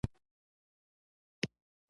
شاوخوا پنځوس کسان په کې ځایېدل.